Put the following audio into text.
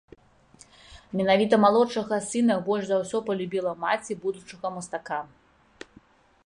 Менавіта малодшага сына больш за ўсё палюбіла маці будучага мастака.